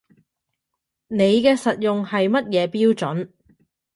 你嘅實用係乜嘢標準